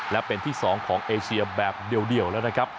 และเป็นที่๒ของเอเชียแบบเดี่ยวแล้วนะครับ